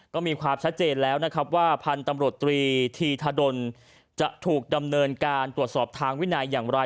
ก็มีความชัดเจนแล้วนะครับว่าพันธุ์ตำรวจตรีธีธดลจะถูกดำเนินการตรวจสอบทางวินัยอย่างไร